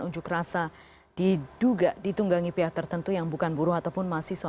unjuk rasa diduga ditunggangi pihak tertentu yang bukan buruh ataupun mahasiswa